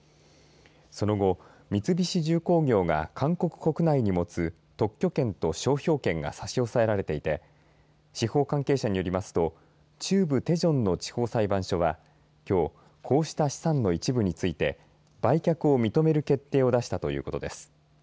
その後、三菱重工業が韓国国内に持つ特許権と商標権が差し押さえられていて司法関係者によりますと中部テジョンの地方裁判所はきょうこうした資産の一部について売却を認める決定を出したということです。